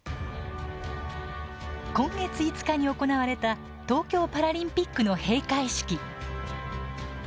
今月５日に行われた東京パラリンピックの閉会式。